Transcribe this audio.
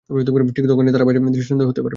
ঠিক তখনই তারা বাইরে দৃষ্টান্ত হতে পারবে।